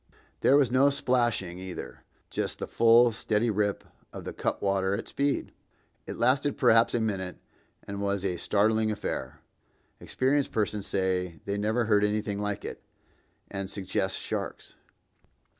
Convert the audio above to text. There was no splashing, either; just the full, steady rip of the cutwater at speed. It lasted perhaps a minute, and was a startling affair. Experienced persons say they never heard anything like it, and suggest sharks.